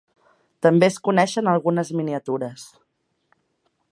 També es coneixen algunes miniatures.